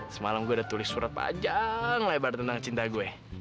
semalam gue udah tulis surat panjang lebar tentang cinta gue